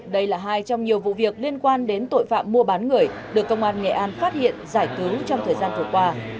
đây là hai trong nhiều vụ việc liên quan đến tội phạm mua bán người được công an nghệ an phát hiện giải cứu trong thời gian vừa qua